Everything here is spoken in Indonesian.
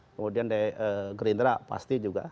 kemudian dari gerindra pasti juga